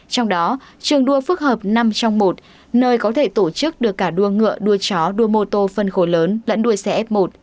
trong đó trường đua phức hợp năm trong một nơi có thể tổ chức được cả đua ngựa đua chó đua mô tô phân khối lớn lẫn đuôi xe f một